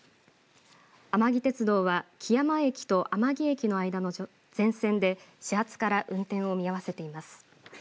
甘木鉄道は基山駅と甘木駅の間の全線で始発から運転を見合わせています。